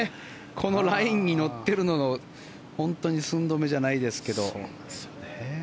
このラインに乗っているのが本当に寸止めじゃないですけど。